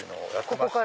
ここから？